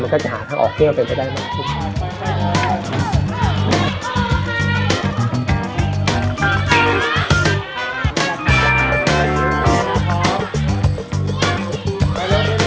มันก็จะหาทางออกเครื่องเป็นไปได้มาก